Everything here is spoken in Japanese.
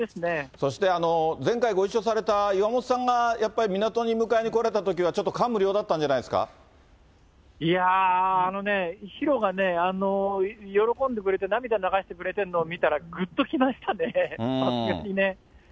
そして前回ご一緒された岩本さんが、やっぱり港に迎えに来られたときにはちょっと感無量だったんじゃいやぁ、あのね、ひろがね、喜んでくれて、涙流してくれてんのを見たら、ぐっときましたね、さすがにね。